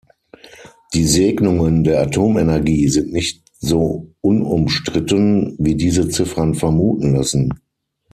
Die Segnungen der Atomenergie sind nicht so unumstritten, wie diese Ziffern vermuten lassen.